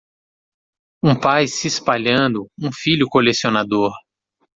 Um pai se espalhando, um filho colecionador.